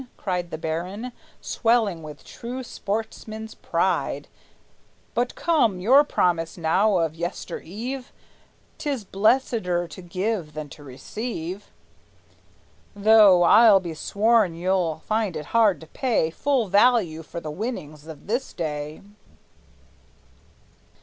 cried The baron, swelling with true sportsman's pride "But come: your promise, now, of yester eve; 'T is blesseder to give than to receive! Though I'll be sworn you'll find it hard to pay Full value for the winnings of this day."